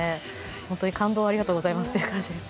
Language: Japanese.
本当に感動をありがとうございますという感じです。